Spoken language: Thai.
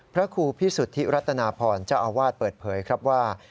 พระครูพิสุทธิรัตนาพรเจ้าอาวาสเปิดเผยครับว่า